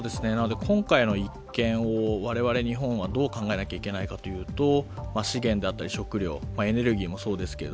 今回の一件を我々日本はどう考えなければいけないかというと資源だったり食料、エネルギーもそうです